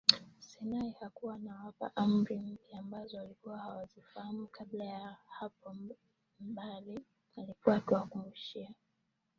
Sinai hakuwa anawapa Amri mpya ambazo walikuwa hawazifahamu kabla ya hapo bali alikuwa akiwakumbushia